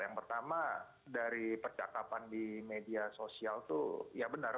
yang pertama dari percakapan di media sosial itu ya benar